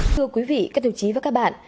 thưa quý vị các thường trí và các bạn